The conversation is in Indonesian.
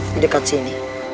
di dekat sini